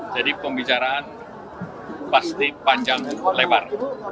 jadi pembicaraan pasti panjang lebar